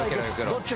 どっち？